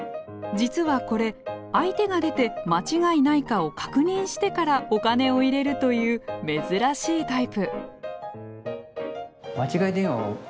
実はこれ相手が出て間違いないかを確認してからお金を入れるという珍しいタイプ。